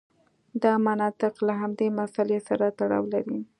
دا منطق له همدې مسئلې سره تړاو لري.